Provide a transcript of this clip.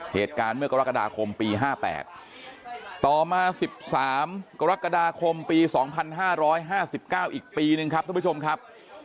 เหตุการณ์เมื่อกรกฎาคมปี๕๘ต่อมา๑๓กรกฎาคมปี๒๕๕๙อีกปีนึงครับท่านผู้ชมครับ